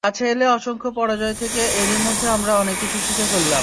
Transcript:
কাছে এলে অসংখ্য পরাজয় থেকে এরই মধ্যে আমরা অনেক কিছু শিখে ফেললাম।